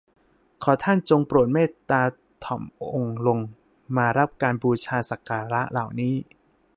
ขอท่านจงโปรดเมตตาถ่อมองค์ลงมารับการบูชาสักการะเหล่านี้